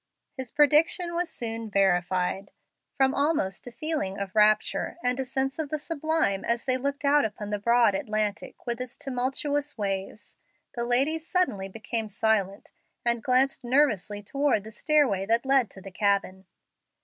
His prediction was soon verified. From almost a feeling of rapture and a sense of the sublime as they looked out upon the broad Atlantic with its tumultuous waves, the ladies suddenly became silent, and glanced nervously toward the stairway that led to the cabin.